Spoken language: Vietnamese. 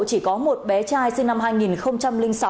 chỉ có một bé trai sinh năm hai nghìn sáu